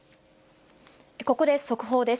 ここで速報です。